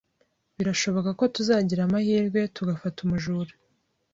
Birashoboka ko tuzagira amahirwe tugafata umujura.